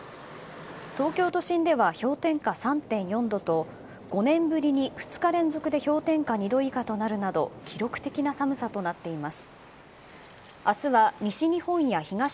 東京都心では氷点下３．４度と５年ぶりに２日連続で氷点下２度以下となるなど記録的な寒さとなっています。